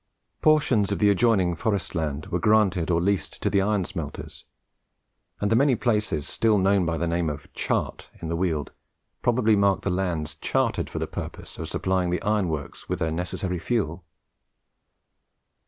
Portions of the adjoining forest land were granted or leased to the iron smelters; and the many places still known by the name of "Chart" in the Weald, probably mark the lands chartered for the purpose of supplying the iron works with their necessary fuel.